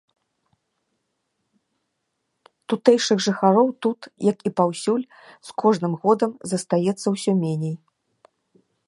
Тутэйшых жыхароў тут, як і паўсюль, з кожным годам застаецца ўсё меней.